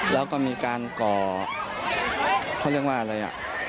แล้วก็มีการก่อเขาเรียกว่าอะไรอ่ะ